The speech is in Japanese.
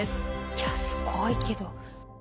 いやすごいけど。